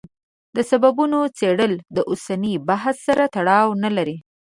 د سببونو څېړل اوسني بحث سره تړاو نه لري.